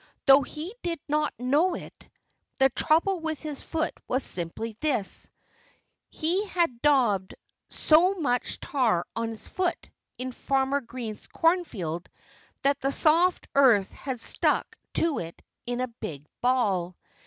Though he did not know it, the trouble with his foot was simply this: He had daubed so much tar on his foot, in Farmer Green's cornfield, that the soft earth had stuck to it in a big ball.